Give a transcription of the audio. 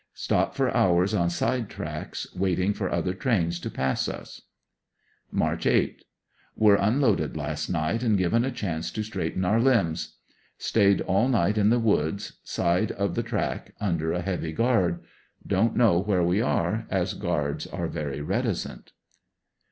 Stop for hours on side tracks, waiting for other trains to pass us. March 8. — Were unloaded last night and given a chance to straighten our limbs. Stayed all night in the woods, side of the track, under a heavy guard. Don't know where we are, as guards are very reticent.